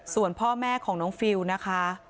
ส่วนพ่อแม่ของน้องฟิลนะคะ